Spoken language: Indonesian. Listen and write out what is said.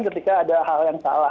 ketika ada hal yang salah